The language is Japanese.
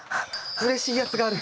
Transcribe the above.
うれしいやつがある。